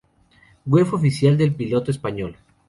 Web oficial del piloto español.